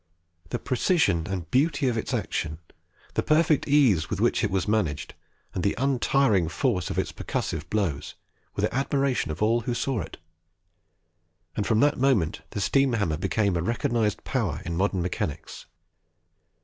The precision and beauty of its action the perfect ease with which it was managed, and the untiring force of its percussive blows were the admiration of all who saw it; and from that moment the steam hammer became a recognised power in modern mechanics.